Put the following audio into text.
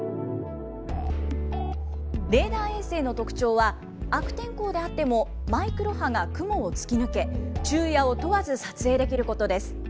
レーダー衛星の特徴は、悪天候であってもマイクロ波が雲を突き抜け、昼夜を問わず撮影できることです。